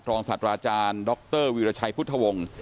ศาสตราอาจารย์ดรวีรชัยพุทธวงศ์